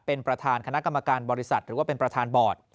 เป็นประธานคณะกรรมการบริษัทหรือว่าเป็นประธานบอร์ด